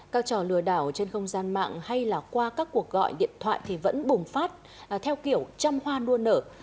các trò lừa đảo trên không gian mạng hay là qua các cuộc gọi điện thoại thì vẫn bùng phát theo kiểu trăm hoa nua nở